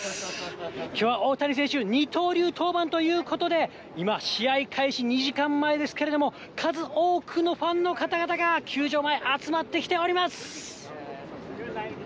きょうは大谷選手、二刀流登板ということで、今、試合開始２時間前ですけれども、数多くのファンの方々が、球場前、集まってきております。